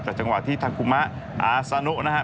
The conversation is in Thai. จากจังหวะที่ทักุมะอาซานุนะฮะ